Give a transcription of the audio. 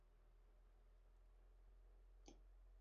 Una razón fue la cuestión de su nacionalidad.